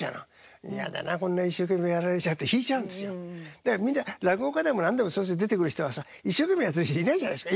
だから落語家でも何でもそうです出てくる人はさ一生懸命やってる人いないじゃないですか。